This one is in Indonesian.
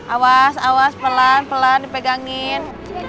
awas awas pelan pelan dipegangin